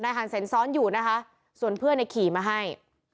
หันเซ็นซ้อนอยู่นะคะส่วนเพื่อนในขี่มาให้